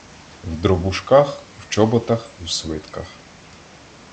В дробушках, в чоботах, в свитках.